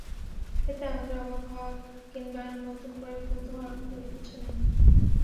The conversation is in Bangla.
এতে আমাদের অবাক হওয়ার কিংবা নতুন করে ক্রুদ্ধ হওয়ার কিছু নেই।